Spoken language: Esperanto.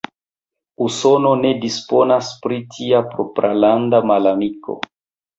Usono ne disponas pri tia propralanda malamiko.